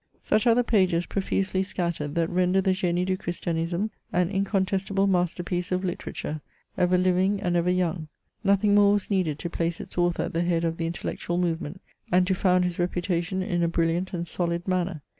Sudiare the pages, profusely scattereid, that render the G^Ue du Christiamtme an incontestable masterpiece of literar ture, ever living 9nd ever young. Nothing more was needed to place its author at the head of the intellectual movement, and to found his reputation in a brilliant and solid manner.